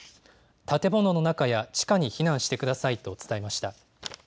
建物の中や地下に避難してくださいと伝えました。